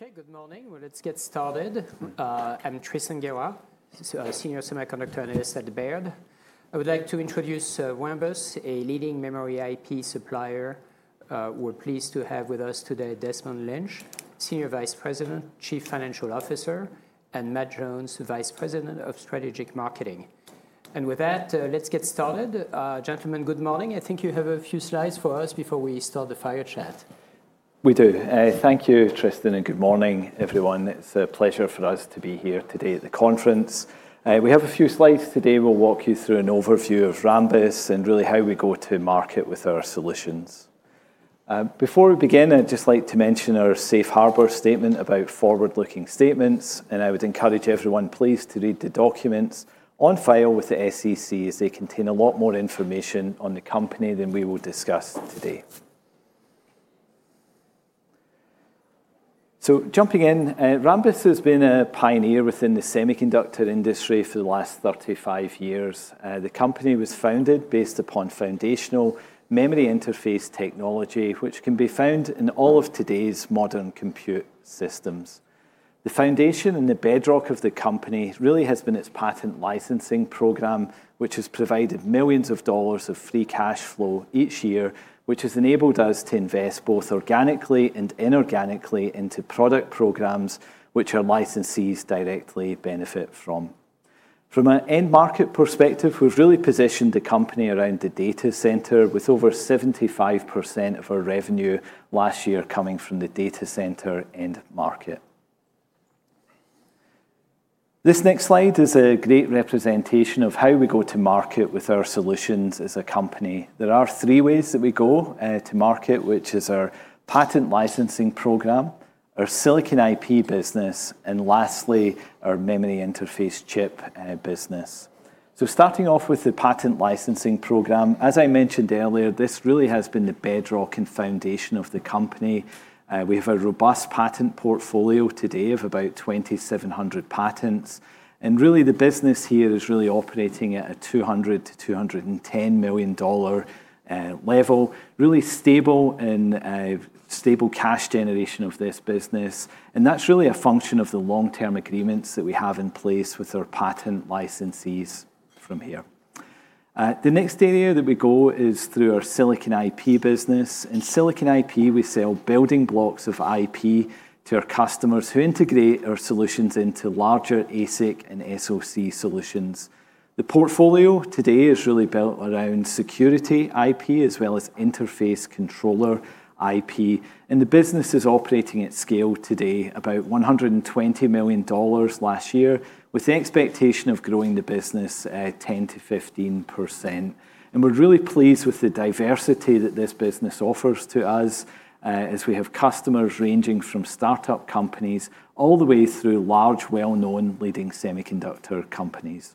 Okay, good morning. Let's get started. I'm Tristan Gerra, Senior Semiconductor Analyst at Baird. I would like to introduce Rambus, a leading memory IP supplier. We're pleased to have with us today Desmond Lynch, Senior Vice President, Chief Financial Officer, and Matt Jones, Vice President of Strategic Marketing. With that, let's get started. Gentlemen, good morning. I think you have a few slides for us before we start the fire chat. We do. Thank you, Tristan, and good morning, everyone. It is a pleasure for us to be here today at the conference. We have a few slides today. We will walk you through an overview of Rambus and really how we go to market with our solutions. Before we begin, I would just like to mention our safe harbor statement about forward-looking statements. I would encourage everyone please to read the documents on file with the SEC as they contain a lot more information on the company than we will discuss today. Jumping in, Rambus has been a pioneer within the semiconductor industry for the last 35 years. The company was founded based upon foundational memory interface technology, which can be found in all of today's modern compute systems. The foundation and the bedrock of the company really has been its patent licensing program, which has provided millions of dollars of free cash flow each year, which has enabled us to invest both organically and inorganically into product programs which our licensees directly benefit from. From an end market perspective, we've really positioned the company around the data center, with over 75% of our revenue last year coming from the data center end market. This next slide is a great representation of how we go to market with our solutions as a company. There are three ways that we go to market, which is our patent licensing program, our silicon IP business, and lastly, our memory interface chip business. Starting off with the patent licensing program, as I mentioned earlier, this really has been the bedrock and foundation of the company. We have a robust patent portfolio today of about 2,700 patents. The business here is really operating at a $200-$210 million level, really stable in stable cash generation of this business. That is really a function of the long-term agreements that we have in place with our patent licensees from here. The next area that we go is through our silicon IP business. In silicon IP, we sell building blocks of IP to our customers who integrate our solutions into larger ASIC and SOC solutions. The portfolio today is really built around security IP as well as interface controller IP. The business is operating at scale today, about $120 million last year, with the expectation of growing the business 10-15%. We're really pleased with the diversity that this business offers to us, as we have customers ranging from startup companies all the way through large, well-known leading semiconductor companies.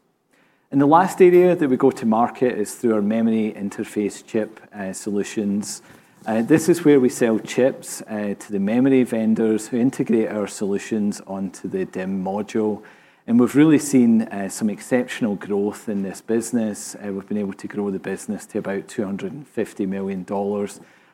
The last area that we go to market is through our memory interface chip solutions. This is where we sell chips to the memory vendors who integrate our solutions onto the DIMM module. We've really seen some exceptional growth in this business. We've been able to grow the business to about $250 million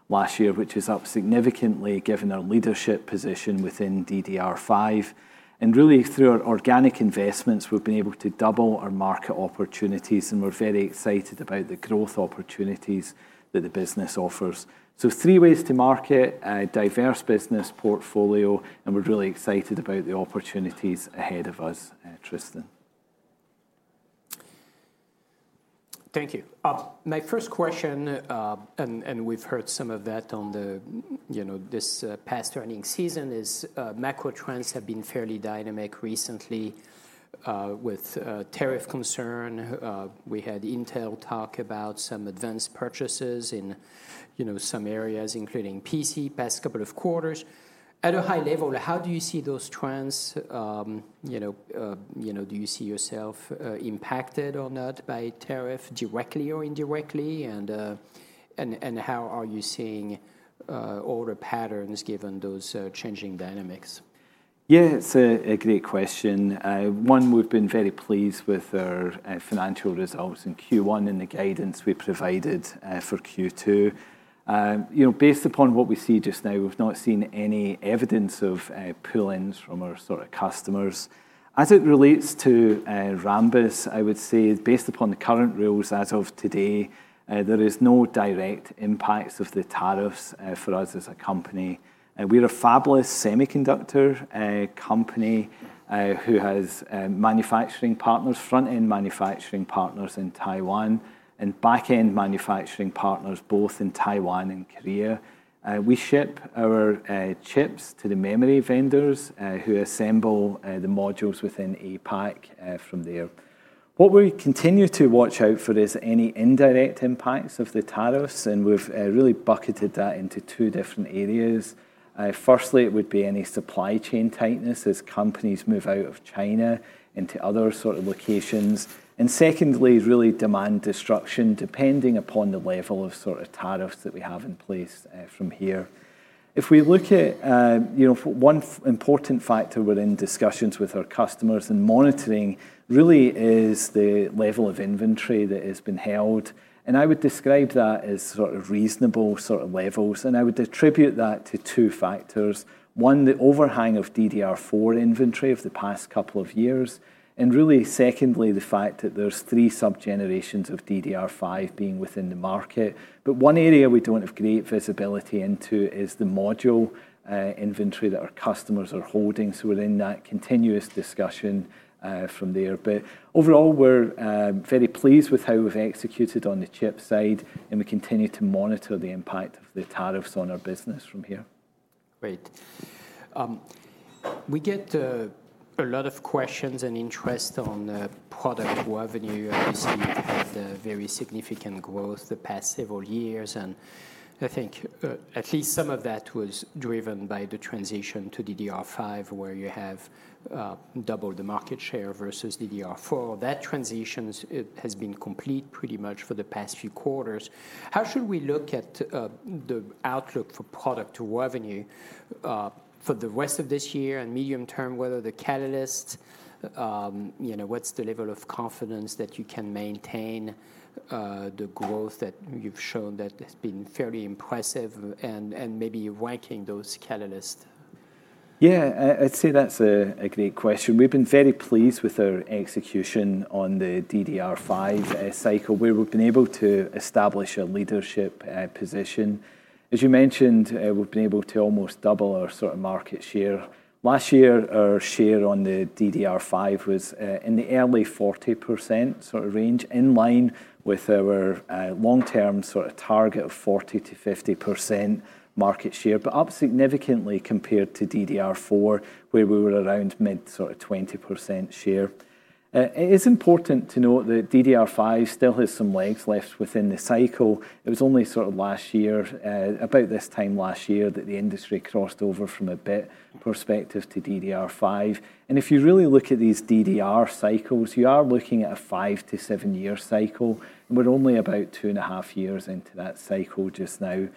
last year, which is up significantly, given our leadership position within DDR5. Really, through our organic investments, we've been able to double our market opportunities. We're very excited about the growth opportunities that the business offers. Three ways to market, a diverse business portfolio, and we're really excited about the opportunities ahead of us, Tristan. Thank you. My first question, and we've heard some of that on this past earnings season, is macro trends have been fairly dynamic recently with tariff concern. We had Intel talk about some advanced purchases in some areas, including PC, past couple of quarters. At a high level, how do you see those trends? Do you see yourself impacted or not by tariff, directly or indirectly? How are you seeing all the patterns given those changing dynamics? Yeah, it's a great question. One, we've been very pleased with our financial results in Q1 and the guidance we provided for Q2. Based upon what we see just now, we've not seen any evidence of pull-ins from our customers. As it relates to Rambus, I would say, based upon the current rules as of today, there is no direct impact of the tariffs for us as a company. We are a fabless semiconductor company who has front-end manufacturing partners in Taiwan and back-end manufacturing partners both in Taiwan and Korea. We ship our chips to the memory vendors who assemble the modules within APAC from there. What we continue to watch out for is any indirect impacts of the tariffs. We've really bucketed that into two different areas. Firstly, it would be any supply chain tightness as companies move out of China into other locations. Secondly, really demand destruction, depending upon the level of tariffs that we have in place from here. If we look at one important factor we're in discussions with our customers and monitoring really is the level of inventory that has been held. I would describe that as reasonable levels. I would attribute that to two factors. One, the overhang of DDR4 inventory of the past couple of years. Really, secondly, the fact that there are three sub-generations of DDR5 being within the market. One area we do not have great visibility into is the module inventory that our customers are holding. We are in that continuous discussion from there. Overall, we are very pleased with how we have executed on the chip side. We continue to monitor the impact of the tariffs on our business from here. Great. We get a lot of questions and interest on product revenue. You see the very significant growth the past several years. I think at least some of that was driven by the transition to DDR5, where you have doubled the market share versus DDR4. That transition has been complete pretty much for the past few quarters. How should we look at the outlook for product revenue for the rest of this year and medium term, what are the catalysts, what's the level of confidence that you can maintain the growth that you've shown that has been fairly impressive and maybe ranking those catalysts? Yeah, I'd say that's a great question. We've been very pleased with our execution on the DDR5 cycle, where we've been able to establish a leadership position. As you mentioned, we've been able to almost double our market share. Last year, our share on the DDR5 was in the early 40% range, in line with our long-term target of 40-50% market share, but up significantly compared to DDR4, where we were around mid-20% share. It is important to note that DDR5 still has some legs left within the cycle. It was only last year, about this time last year, that the industry crossed over from a bit perspective to DDR5. If you really look at these DDR cycles, you are looking at a five- to seven-year cycle. We're only about two and a half years into that cycle just now.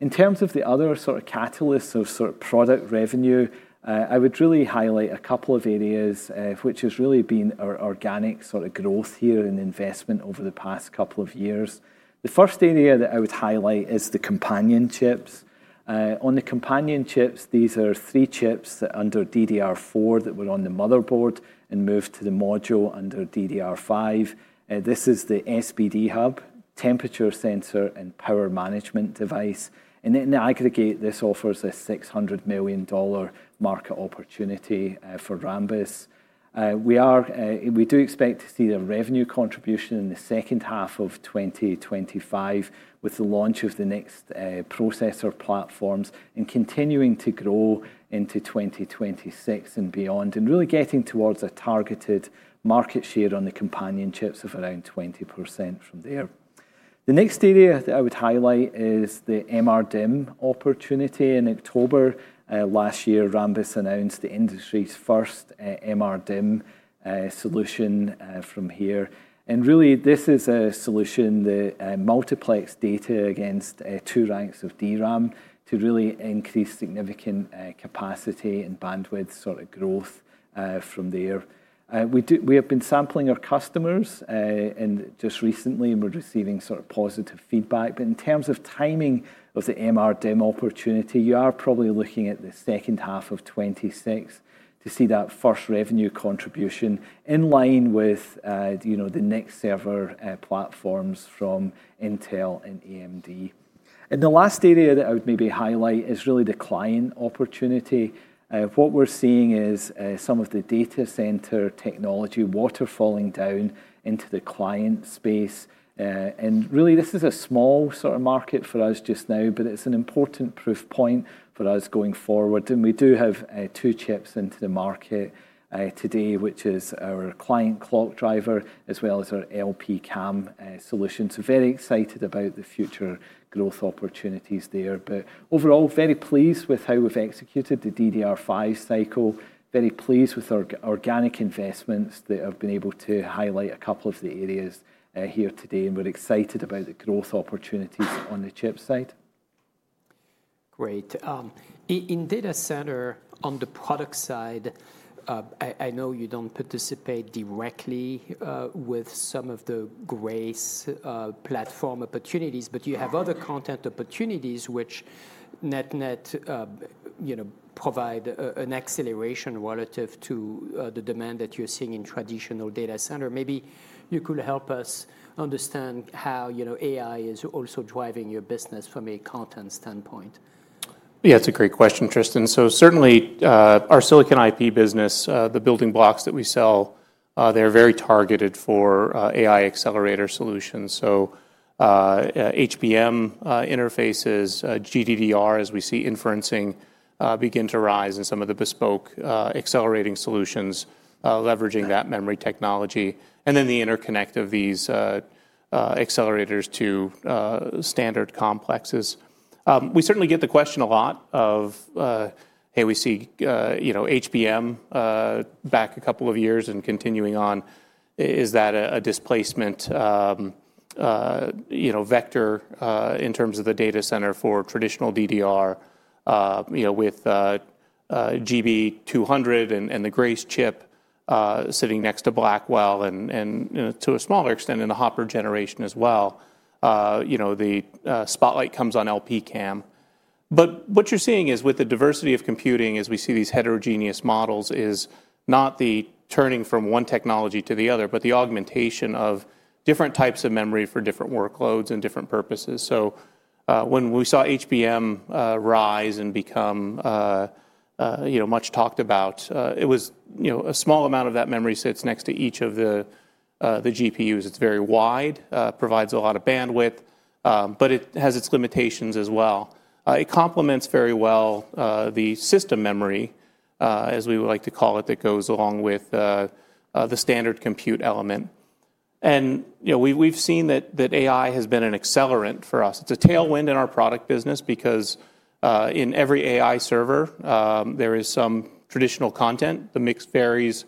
In terms of the other catalysts of product revenue, I would really highlight a couple of areas, which has really been our organic growth here and investment over the past couple of years. The first area that I would highlight is the companion chips. On the companion chips, these are three chips under DDR4 that were on the motherboard and moved to the module under DDR5. This is the SBD hub, temperature sensor, and power management device. In aggregate, this offers a $600 million market opportunity for Rambus. We do expect to see a revenue contribution in the second half of 2025 with the launch of the next processor platforms and continuing to grow into 2026 and beyond, and really getting towards a targeted market share on the companion chips of around 20% from there. The next area that I would highlight is the MRDIMM opportunity. In October last year, Rambus announced the industry's first MRDIMM solution from here. Really, this is a solution that multiplexes data against two ranks of DRAM to really increase significant capacity and bandwidth growth from there. We have been sampling our customers just recently, and we're receiving positive feedback. In terms of timing of the MRDIMM opportunity, you are probably looking at the second half of 2026 to see that first revenue contribution in line with the next server platforms from Intel and AMD. The last area that I would maybe highlight is really the client opportunity. What we're seeing is some of the data center technology waterfalling down into the client space. Really, this is a small market for us just now, but it's an important proof point for us going forward. We do have two chips into the market today, which is our Client Clock Driver, as well as our LPCAM solution. Very excited about the future growth opportunities there. Overall, very pleased with how we've executed the DDR5 cycle, very pleased with our organic investments that have been able to highlight a couple of the areas here today. We're excited about the growth opportunities on the chip side. Great. In data center, on the product side, I know you don't participate directly with some of the Grace platform opportunities, but you have other content opportunities which net-net provide an acceleration relative to the demand that you're seeing in traditional data center. Maybe you could help us understand how AI is also driving your business from a content standpoint. Yeah, it's a great question, Tristan. Certainly, our silicon IP business, the building blocks that we sell, they're very targeted for AI accelerator solutions. HBM interfaces, GDDR, as we see inferencing begin to rise in some of the bespoke accelerating solutions, leveraging that memory technology. The interconnect of these accelerators to standard complexes. We certainly get the question a lot of, hey, we see HBM back a couple of years and continuing on. Is that a displacement vector in terms of the data center for traditional DDR with GB200 and the Grace chip sitting next to Blackwell and to a smaller extent in the Hopper generation as well? The spotlight comes on LPCAM. What you're seeing is with the diversity of computing, as we see these heterogeneous models, is not the turning from one technology to the other, but the augmentation of different types of memory for different workloads and different purposes. When we saw HBM rise and become much talked about, it was a small amount of that memory sits next to each of the GPUs. It's very wide, provides a lot of bandwidth, but it has its limitations as well. It complements very well the system memory, as we would like to call it, that goes along with the standard compute element. We've seen that AI has been an accelerant for us. It's a tailwind in our product business because in every AI server, there is some traditional content. The mix varies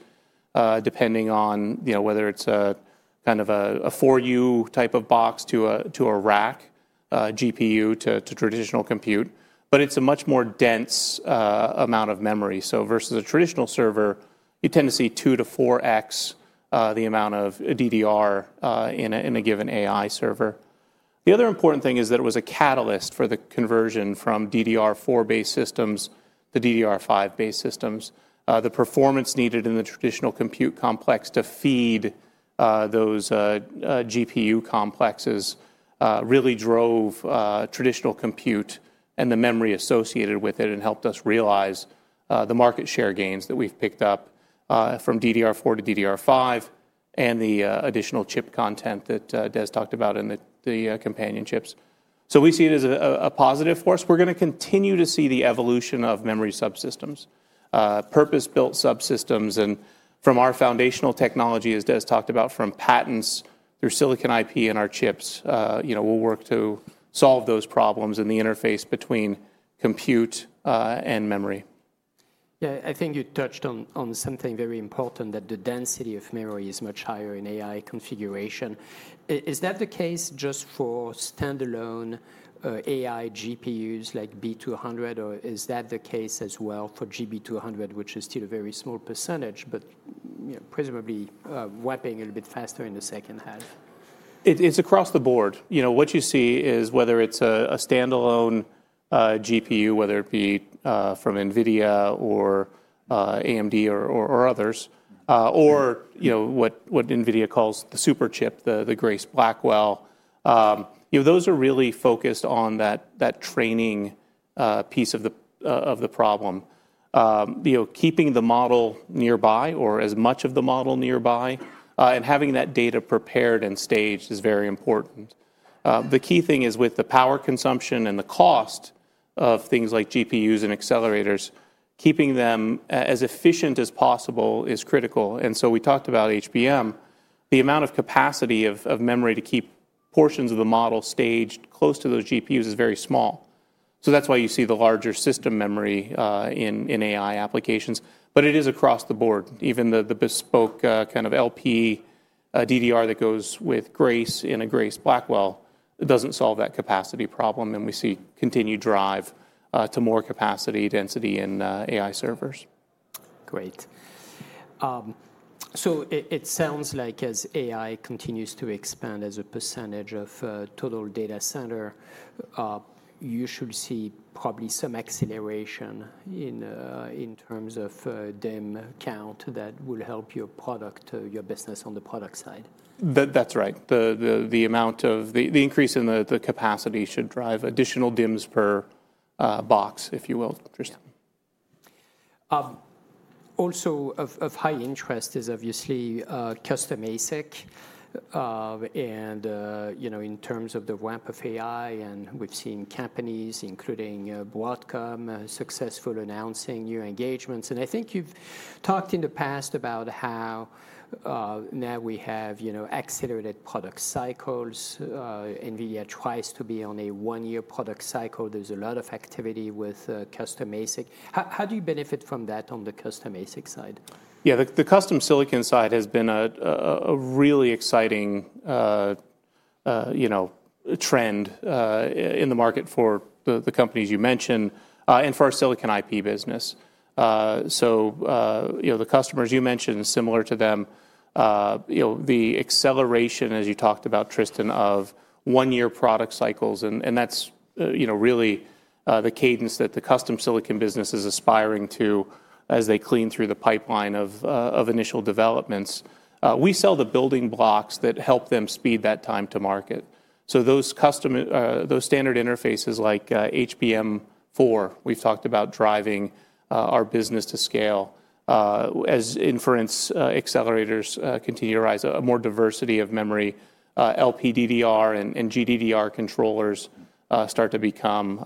depending on whether it's kind of a 4U type of box to a rack GPU to traditional compute. But it's a much more dense amount of memory. So versus a traditional server, you tend to see 2-4x the amount of DDR in a given AI server. The other important thing is that it was a catalyst for the conversion from DDR4-based systems to DDR5-based systems. The performance needed in the traditional compute complex to feed those GPU complexes really drove traditional compute and the memory associated with it and helped us realize the market share gains that we've picked up from DDR4 to DDR5 and the additional chip content that Des talked about in the companion chips. So we see it as a positive force. We're going to continue to see the evolution of memory subsystems, purpose-built subsystems. From our foundational technology, as Des talked about, from patents through silicon IP and our chips, we'll work to solve those problems in the interface between compute and memory. Yeah, I think you touched on something very important, that the density of memory is much higher in AI configuration. Is that the case just for standalone AI GPUs like B200, or is that the case as well for GB200, which is still a very small percentage, but presumably whipping a little bit faster in the second half? It's across the board. What you see is whether it's a standalone GPU, whether it be from NVIDIA or AMD or others, or what NVIDIA calls the superchip, the Grace Blackwell, those are really focused on that training piece of the problem. Keeping the model nearby or as much of the model nearby and having that data prepared and staged is very important. The key thing is with the power consumption and the cost of things like GPUs and accelerators, keeping them as efficient as possible is critical. We talked about HBM. The amount of capacity of memory to keep portions of the model staged close to those GPUs is very small. That is why you see the larger system memory in AI applications. It is across the board. Even the bespoke kind of LPDDR that goes with Grace in a Grace Blackwell doesn't solve that capacity problem. We see continued drive to more capacity density in AI servers. Great. It sounds like as AI continues to expand as a percentage of total data center, you should see probably some acceleration in terms of DIM count that will help your business on the product side. That's right. The increase in the capacity should drive additional DIMs per box, if you will, Tristan. Also of high interest is obviously custom ASIC. In terms of the ramp of AI, we've seen companies, including Broadcom, successfully announcing new engagements. I think you've talked in the past about how now we have accelerated product cycles. NVIDIA tries to be on a one-year product cycle. There's a lot of activity with custom ASIC. How do you benefit from that on the custom ASIC side? Yeah, the custom silicon side has been a really exciting trend in the market for the companies you mentioned and for our silicon IP business. The customers you mentioned, similar to them, the acceleration, as you talked about, Tristan, of one-year product cycles. That is really the cadence that the custom silicon business is aspiring to as they clean through the pipeline of initial developments. We sell the building blocks that help them speed that time to market. Those standard interfaces like HBM4, we have talked about driving our business to scale as inference accelerators continue to rise, a more diversity of memory, LPDDR and GDDR controllers start to become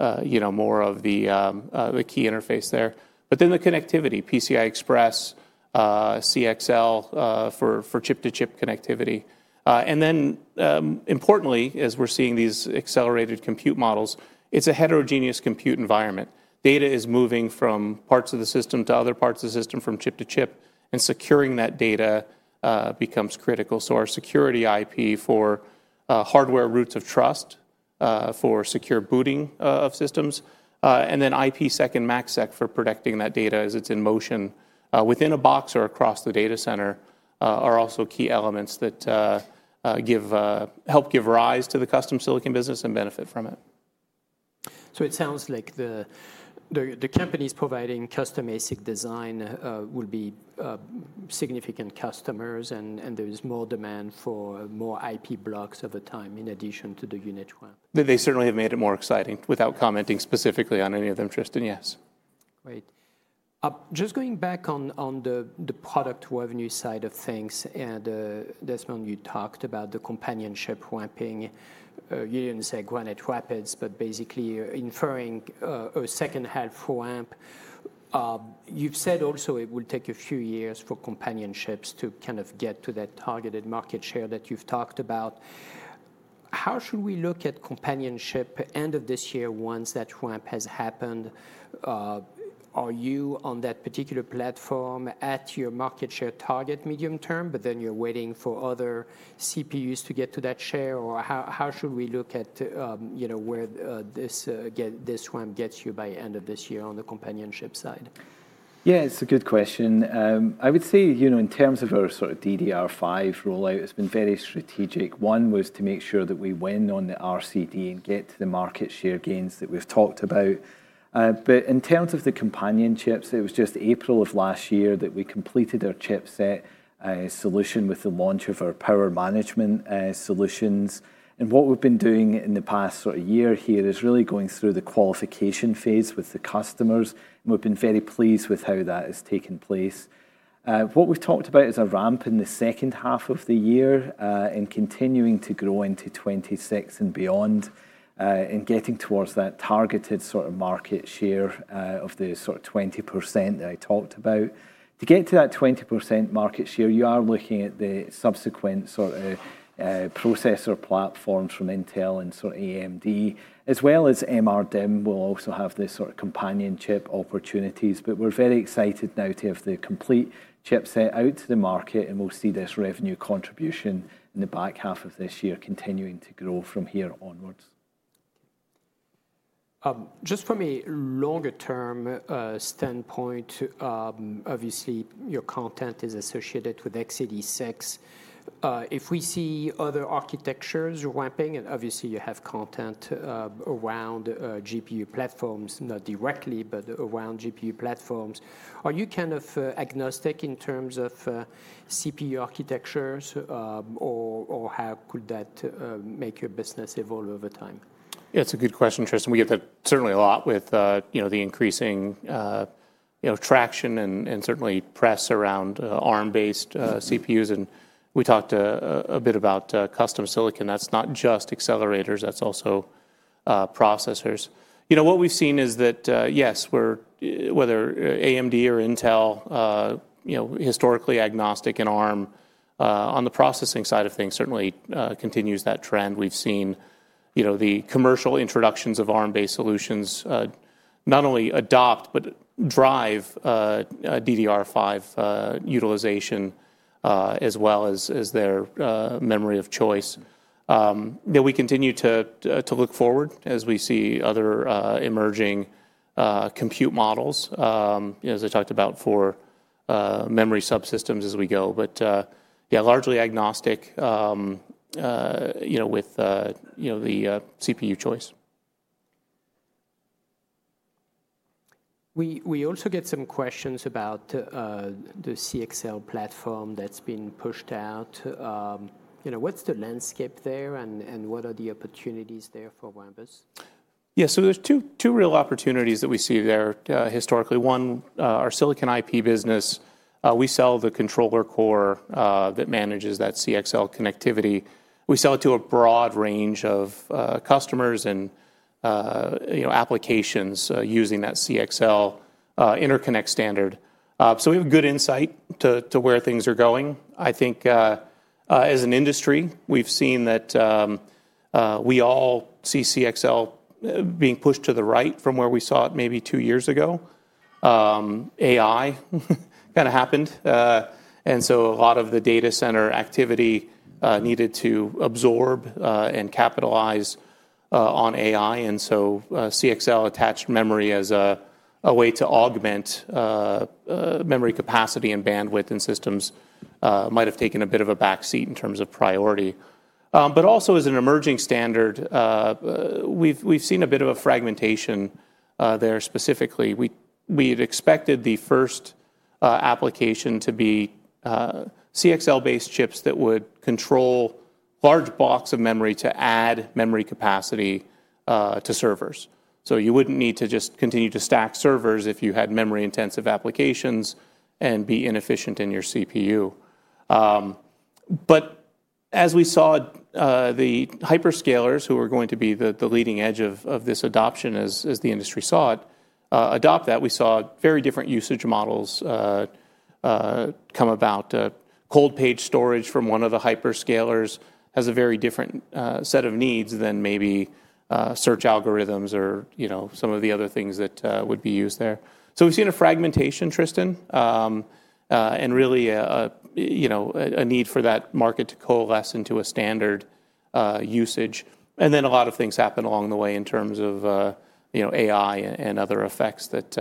more of the key interface there. The connectivity, PCIe, CXL for chip-to-chip connectivity. Importantly, as we are seeing these accelerated compute models, it is a heterogeneous compute environment. Data is moving from parts of the system to other parts of the system from chip to chip. Securing that data becomes critical. Our security IP for hardware roots of trust, for secure booting of systems, and then IPsec and MACsec for protecting that data as it's in motion within a box or across the data center are also key elements that help give rise to the custom silicon business and benefit from it. It sounds like the companies providing custom ASIC design will be significant customers, and there is more demand for more IP blocks over time in addition to the unit one. They certainly have made it more exciting. Without commenting specifically on any of them, Tristan, yes. Great. Just going back on the product revenue side of things, Desmond, you talked about the companionship ramping. You did not say Granite Rapids, but basically inferring a second half ramp. You have said also it will take a few years for companionships to kind of get to that targeted market share that you have talked about. How should we look at companionship end of this year once that ramp has happened? Are you on that particular platform at your market share target medium term, but then you are waiting for other CPUs to get to that share? How should we look at where this ramp gets you by end of this year on the companionship side? Yeah, it's a good question. I would say in terms of our sort of DDR5 rollout, it's been very strategic. One was to make sure that we win on the RCD and get to the market share gains that we've talked about. In terms of the companion chips, it was just April of last year that we completed our chipset solution with the launch of our power management solutions. What we've been doing in the past sort of year here is really going through the qualification phase with the customers. We've been very pleased with how that has taken place. What we've talked about is a ramp in the second half of the year and continuing to grow into 2026 and beyond and getting towards that targeted sort of market share of the sort of 20% that I talked about. To get to that 20% market share, you are looking at the subsequent sort of processor platforms from Intel and sort of AMD, as well as MRDIMM will also have the sort of companion chip opportunities. We are very excited now to have the complete chipset out to the market, and we'll see this revenue contribution in the back half of this year continuing to grow from here onwards. Just from a longer-term standpoint, obviously your content is associated with x86. If we see other architectures ramping, and obviously you have content around GPU platforms, not directly, but around GPU platforms, are you kind of agnostic in terms of CPU architectures, or how could that make your business evolve over time? Yeah, that's a good question, Tristan. We get that certainly a lot with the increasing traction and certainly press around ARM-based CPUs. We talked a bit about custom silicon. That's not just accelerators. That's also processors. What we've seen is that, yes, whether AMD or Intel, historically agnostic in ARM, on the processing side of things certainly continues that trend. We've seen the commercial introductions of ARM-based solutions not only adopt, but drive DDR5 utilization as well as their memory of choice. We continue to look forward as we see other emerging compute models, as I talked about, for memory subsystems as we go. Yeah, largely agnostic with the CPU choice. We also get some questions about the CXL platform that's been pushed out. What's the landscape there, and what are the opportunities there for Rambus? Yeah, so there's two real opportunities that we see there historically. One, our silicon IP business, we sell the controller core that manages that CXL connectivity. We sell it to a broad range of customers and applications using that CXL interconnect standard. So we have good insight to where things are going. I think as an industry, we've seen that we all see CXL being pushed to the right from where we saw it maybe two years ago. AI kind of happened. And so a lot of the data center activity needed to absorb and capitalize on AI. And so CXL attached memory as a way to augment memory capacity and bandwidth in systems might have taken a bit of a backseat in terms of priority. But also as an emerging standard, we've seen a bit of a fragmentation there specifically. We had expected the first application to be CXL-based chips that would control large blocks of memory to add memory capacity to servers. You would not need to just continue to stack servers if you had memory-intensive applications and be inefficient in your CPU. As we saw the hyperscalers who were going to be the leading edge of this adoption, as the industry saw it, adopt that, we saw very different usage models come about. Cold page storage from one of the hyperscalers has a very different set of needs than maybe search algorithms or some of the other things that would be used there. We have seen a fragmentation, Tristan, and really a need for that market to coalesce into a standard usage. A lot of things happen along the way in terms of AI and other effects that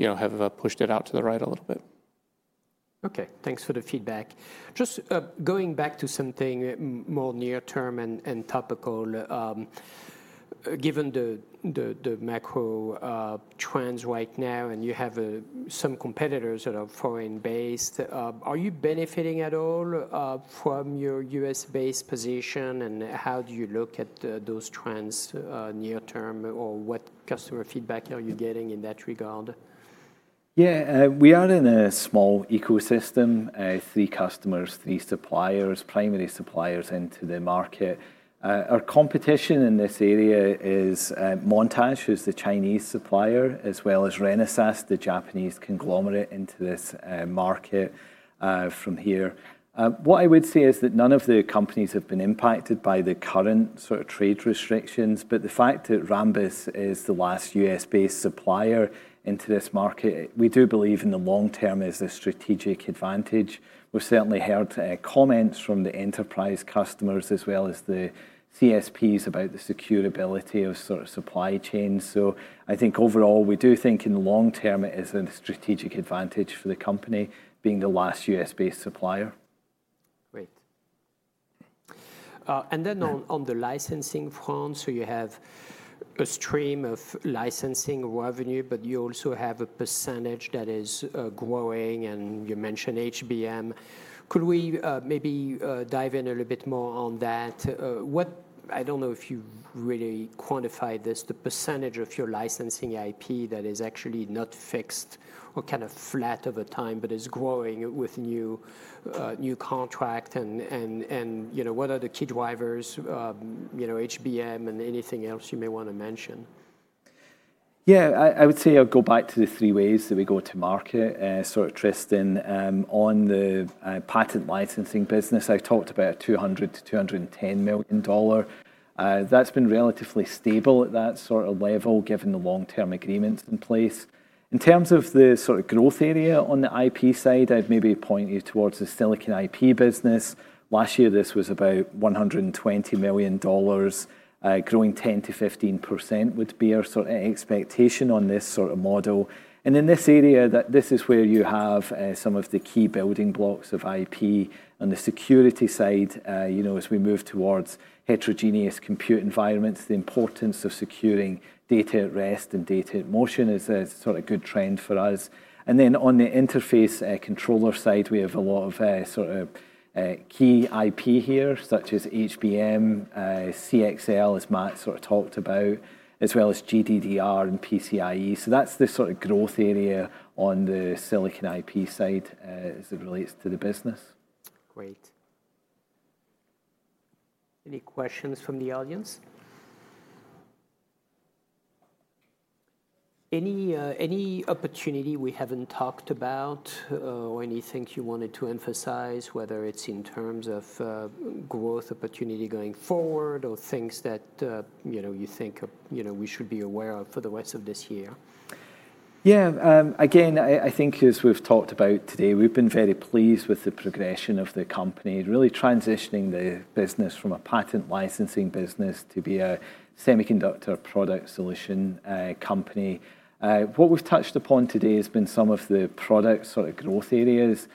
have pushed it out to the right a little bit. Okay, thanks for the feedback. Just going back to something more near-term and topical, given the macro trends right now, and you have some competitors that are foreign-based, are you benefiting at all from your US-based position? How do you look at those trends near-term, or what customer feedback are you getting in that regard? Yeah, we are in a small ecosystem, three customers, three suppliers, primary suppliers into the market. Our competition in this area is Montage, who's the Chinese supplier, as well as Renesas, the Japanese conglomerate into this market from here. What I would say is that none of the companies have been impacted by the current sort of trade restrictions. The fact that Rambus is the last US-based supplier into this market, we do believe in the long term is a strategic advantage. We've certainly heard comments from the enterprise customers as well as the CSPs about the securability of sort of supply chains. I think overall, we do think in the long term it is a strategic advantage for the company being the last US-based supplier. Great. On the licensing front, you have a stream of licensing revenue, but you also have a percentage that is growing, and you mentioned HBM. Could we maybe dive in a little bit more on that? I do not know if you really quantify this, the percentage of your licensing IP that is actually not fixed or kind of flat over time, but is growing with new contract. What are the key drivers, HBM and anything else you may want to mention? Yeah, I would say I'll go back to the three ways that we go to market, sort of Tristan. On the patent licensing business, I've talked about $200-$210 million. That's been relatively stable at that sort of level given the long-term agreements in place. In terms of the sort of growth area on the IP side, I'd maybe point you towards the silicon IP business. Last year, this was about $120 million, growing 10-15% would be our sort of expectation on this sort of model. And in this area, this is where you have some of the key building blocks of IP. On the security side, as we move towards heterogeneous compute environments, the importance of securing data at rest and data at motion is a sort of good trend for us. On the interface controller side, we have a lot of sort of key IP here, such as HBM, CXL, as Matt sort of talked about, as well as GDDR and PCIe. That is the sort of growth area on the silicon IP side as it relates to the business. Great. Any questions from the audience? Any opportunity we haven't talked about or anything you wanted to emphasize, whether it's in terms of growth opportunity going forward or things that you think we should be aware of for the rest of this year? Yeah, again, I think as we've talked about today, we've been very pleased with the progression of the company, really transitioning the business from a patent licensing business to be a semiconductor product solution company. What we've touched upon today has been some of the product sort of growth areas.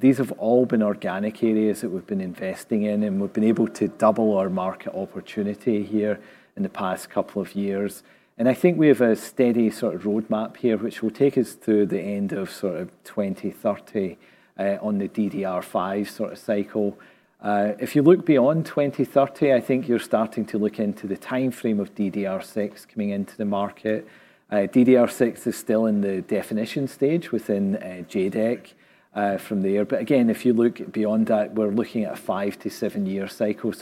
These have all been organic areas that we've been investing in, and we've been able to double our market opportunity here in the past couple of years. I think we have a steady sort of roadmap here, which will take us through the end of sort of 2030 on the DDR5 sort of cycle. If you look beyond 2030, I think you're starting to look into the timeframe of DDR6 coming into the market. DDR6 is still in the definition stage within JEDEC from there. If you look beyond that, we're looking at a five- to seven-year cycle.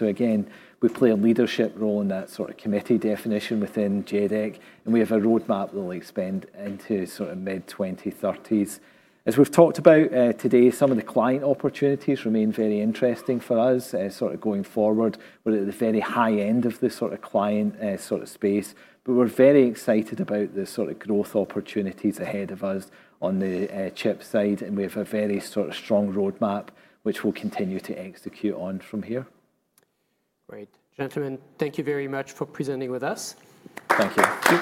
We play a leadership role in that sort of committee definition within JEDEC, and we have a roadmap that will expand into the mid-2030s. As we've talked about today, some of the client opportunities remain very interesting for us going forward. We're at the very high end of this client space, but we're very excited about the growth opportunities ahead of us on the chip side. We have a very strong roadmap, which we'll continue to execute on from here. Great. Gentlemen, thank you very much for presenting with us. Thank you.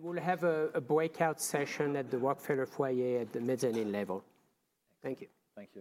We will have a breakout session at the Rockefeller Foyer at the mezzanine level. Thank you. Thank you.